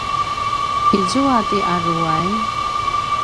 izua ti aruway?